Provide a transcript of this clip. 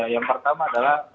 yang pertama adalah